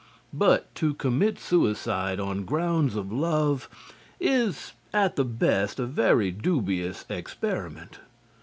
But to commit suicide on grounds of love is at the best a very dubious experiment.